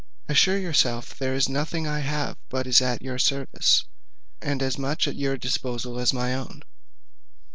Assure yourself there is nothing I have but is at your service, and as much at your disposal as my own."